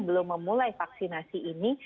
belum memulai vaksinasi ini